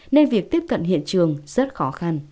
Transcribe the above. nên việc tiếp cận hiện trường rất khó khăn